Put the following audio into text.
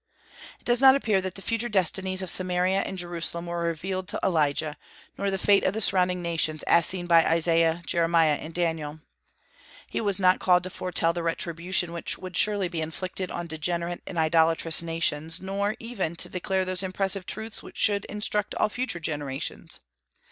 It does not appear that the future destinies of Samaria and Jerusalem were revealed to Elijah, nor the fate of the surrounding nations, as seen by Isaiah, Jeremiah, and Daniel. He was not called to foretell the retribution which would surely be inflicted on degenerate and idolatrous nations, nor even to declare those impressive truths which should instruct all future generations.